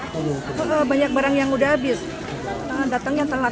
ya lumayan harganya